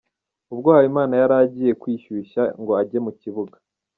Ubwo Habimana yari agiye kwishyushya ngo ajye mu kibuga .